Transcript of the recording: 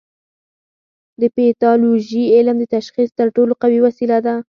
د پیتالوژي علم د تشخیص تر ټولو قوي وسیله ده.